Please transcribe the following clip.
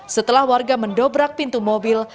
setelah warga mendobrak pintu mobil